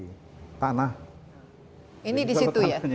karena sebenarnya kalau kereta api kuncinya cuma satu mbak desi